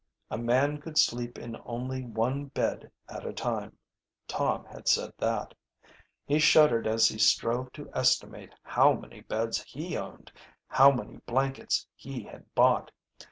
A man could sleep in only one bed at a time Tom had said that. He shuddered as he strove to estimate how many beds he owned, how many blankets he had bought.